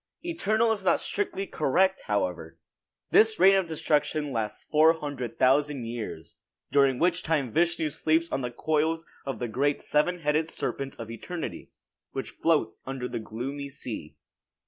Eternal is not strictly correct, however. This reign of destruction lasts four hundred thousand years, during which time Vishnu sleeps on the coils of the great seven headed serpent of eternity, which floats upon the gloomy sea.